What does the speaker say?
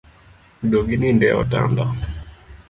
Duog inindi e otanda